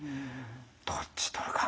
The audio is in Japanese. どっち取るかな。